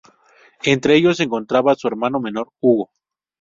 Entre ellos se encontraba su hermano menor Hugo.